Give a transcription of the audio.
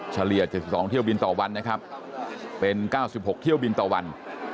เฉลี่ย๗๒เที่ยวบินต่อวันนะครับเป็น๙๖เที่ยวบินต่อวัน